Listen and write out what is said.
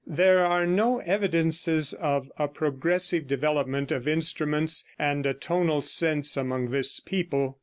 There are no evidences of a progressive development of instruments and a tonal sense among this people.